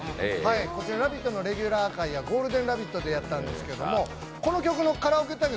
こちら「ラヴィット！」のレギュラー回や「ゴールデンラヴィット！」でやったんですけどこの曲のカラオケ対決